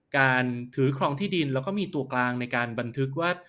การถือครองที่ดินแล้วก็มีตัวกลางในการบันทึกว่า